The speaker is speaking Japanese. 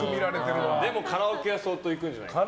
でもカラオケは相当いくんじゃないかなと。